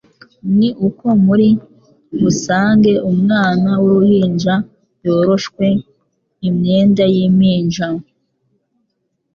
ni uko muri busange umwana w'uruhinja yoroshwe imyenda y'impinja